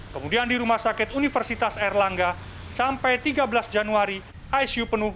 kemudian di rumah sakit universitas erlangga sampai tiga belas januari icu penuh